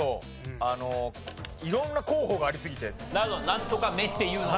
なんとかメっていうのが。